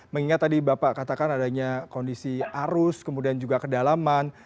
mengingat tadi bapak katakan adanya kondisi arus kemudian juga kedalaman